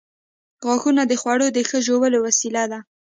• غاښونه د خوړو د ښه ژولو وسیله ده.